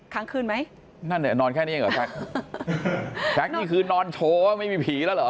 นอนค้างไหมนอนแค่นี้เหรอแซคนอนแค่นี้คือนอนโชว์ไม่มีผีแล้วเหรอ